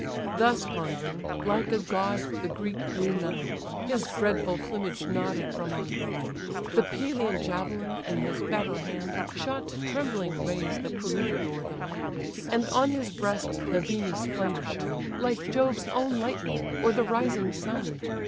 Thus pondering, like a god the Greek drew nigh; His dreadful plumage nodded from on high; The Pelian javelin, in his better hand, Shot trembling rays that glitter'd o'er the land; And on his breast the beamy splendour shone, Like Jove's own lightning, or the rising sun.